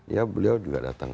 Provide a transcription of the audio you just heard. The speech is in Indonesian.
ya beliau juga datang